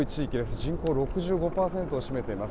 人口６５％を占めています。